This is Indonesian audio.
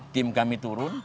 tim kami turun